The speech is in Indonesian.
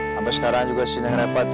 sampai sekarang juga sini repot